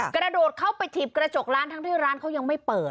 กระโดดเข้าไปถีบกระจกร้านทั้งที่ร้านเขายังไม่เปิด